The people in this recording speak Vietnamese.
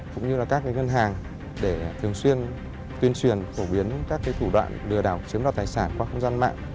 cũng như các ngân hàng để thường xuyên tuyên truyền phổ biến các thủ đoạn đưa đảo chiếm đỏ tài sản qua không gian mạng